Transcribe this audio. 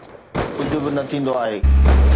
ڪجهه به نه ٿيندو آهي.